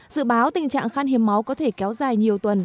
dự báo tình trạng khan hiếm máu có thể kéo dài nhiều tuần